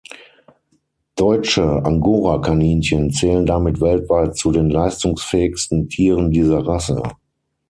Deutsche Angorakaninchen zählen damit weltweit zu den leistungsfähigsten Tieren dieser Rasse.